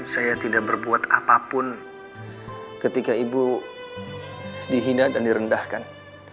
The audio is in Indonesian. saya tidak berbuat apapun ketika ibu dihina dan direndahkan